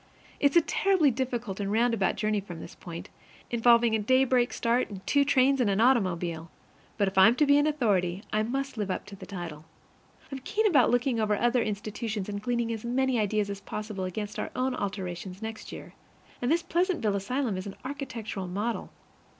It's a terribly difficult and roundabout journey from this point, involving a daybreak start and two trains and an automobile. But if I'm to be an authority, I must live up to the title. I'm keen about looking over other institutions and gleaning as many ideas as possible against our own alterations next year. And this Pleasantville asylum is an architectural model.